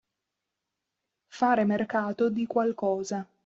Fare mercato di qualcosa.